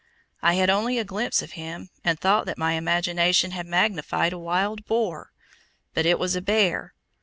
I had only a glimpse of him, and thought that my imagination had magnified a wild boar, but it was a bear.